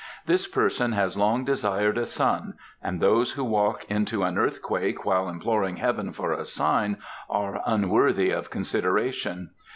"This person has long desired a son, and those who walk into an earthquake while imploring heaven for a sign are unworthy of consideration.